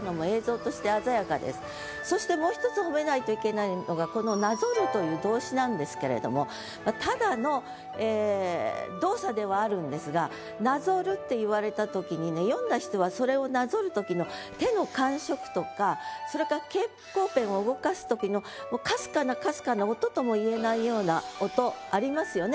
そしてもう一つ褒めないといけないのがこの「なぞる」という動詞なんですけれども「なぞる」って言われた時にね読んだ人はそれをなぞる時のそれから蛍光ペンを動かす時のかすかなかすかな音ともいえないような音ありますよね